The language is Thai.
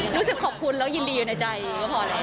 รู้สึกขอบคุณแล้วยินดีอยู่ในใจก็พอแล้ว